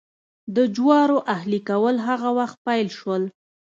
د جوارو اهلي کول هغه وخت پیل شول.